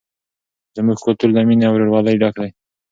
زموږ کلتور له مینې او ورورولۍ ډک دی.